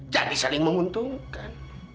jadi saling menguntungkan